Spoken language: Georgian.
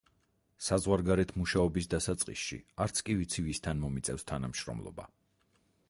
საზღვარგარეთ მუშაობის დასაწყისში, არც კი ვიცი, ვისთან მომიწევს თანამშრომლობა.